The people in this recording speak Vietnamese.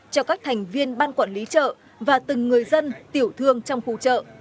cho các thành viên ban quản lý chợ và từng người dân tiểu thương trong khu chợ